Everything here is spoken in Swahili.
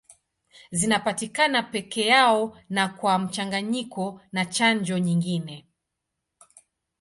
Zinapatikana peke yao na kwa mchanganyiko na chanjo nyingine.